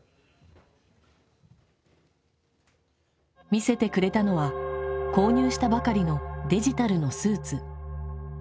見せてくれたのは購入したばかりのデジタルのスーツ。